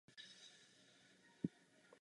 To zatím nevíme.